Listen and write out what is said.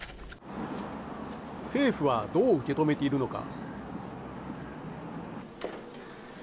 政府はどう受け止めているのか。